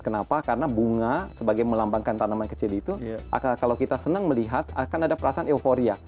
kenapa karena bunga sebagai melambangkan tanaman kecil itu kalau kita senang melihat akan ada perasaan euforia